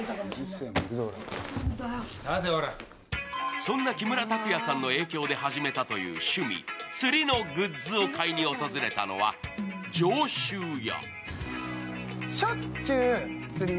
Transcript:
そんな木村拓哉さんの影響で始めたという趣味、釣りのグッズを買いに訪れたのは上州屋。